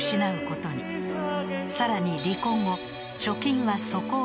［さらに離婚後］